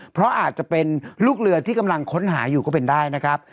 เพราะอาจจะเป็นลูกเรือที่กำลังค้นหาอยู่ก็เป็นได้นะครับ